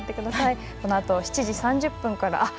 このあと７時３０分から。